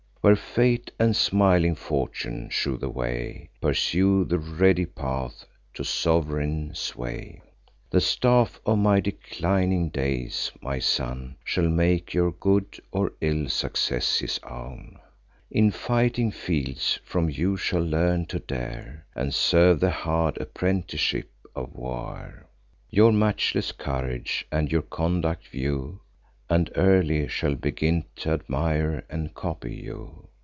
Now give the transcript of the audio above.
Where Fate and smiling Fortune shew the way, Pursue the ready path to sov'reign sway. The staff of my declining days, my son, Shall make your good or ill success his own; In fighting fields from you shall learn to dare, And serve the hard apprenticeship of war; Your matchless courage and your conduct view, And early shall begin t' admire and copy you.